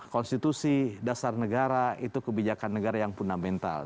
konstitusi dasar negara itu kebijakan negara yang fundamental